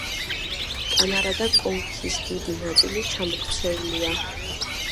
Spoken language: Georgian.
კამარა და კონქის დიდი ნაწილი ჩამოქცეულია.